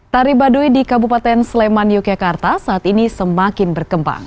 tari baduy di kabupaten sleman yogyakarta saat ini semakin berkembang